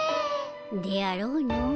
であろうの。